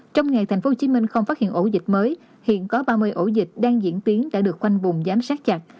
trong ngày tp hcm không phát hiện ổ dịch mới hiện có ba mươi ổ dịch đang diễn tiến đã được khoanh vùng giám sát chặt